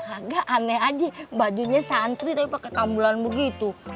agak aneh aja bajunya santri tapi pake tambulan begitu